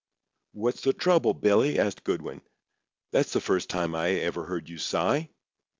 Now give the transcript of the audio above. "What's the trouble, Billy?" asked Goodwin, pausing. "That's the first time I ever heard you sigh."